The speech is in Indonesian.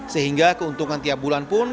sehingga keuntungan tiap bulan pun